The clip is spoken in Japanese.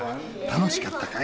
楽しかったかい？